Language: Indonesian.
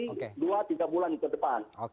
oh nanti dua tiga bulan ke depan